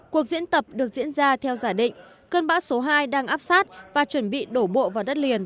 cuộc diễn tập được diễn ra theo giả định cơn bão số hai đang áp sát và chuẩn bị đổ bộ vào đất liền